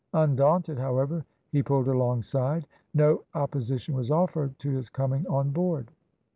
Undaunted, however, he pulled alongside. No opposition was offered to his coming on board.